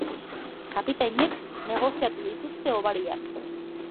Kapitainek negoziatu dituzte hobariak.